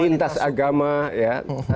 lintas agama ya